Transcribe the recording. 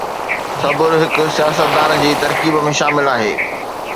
صبر هڪ سياستدان جي ترڪيب ۾ شامل آهي.